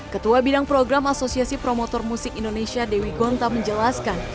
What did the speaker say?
ketua bidang program asosiasi promotor musik indonesia dewi gonta menjelaskan